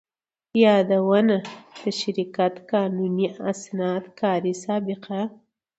يادونه: د شرکت قانوني اسناد، کاري سابقه،